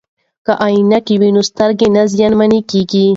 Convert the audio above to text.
که عینکې وي نو سترګې نه زیانمن کیږي.